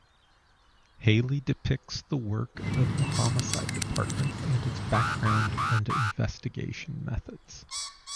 Hailey depicts the work of the homicide department and its background and investigation methods.